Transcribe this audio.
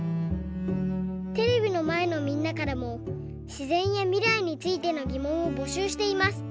テレビのまえのみんなからもしぜんやみらいについてのぎもんをぼしゅうしています。